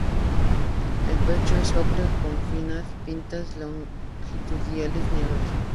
El pecho es ocre con finas pintas longitudinales negras.